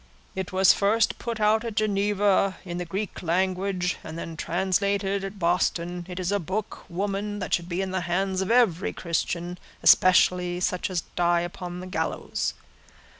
"It was first put out at Geneva in the Greek language, and then translated at Boston. It is a book, woman, that should be in the hands of every Christian, especially such as die upon the gallows.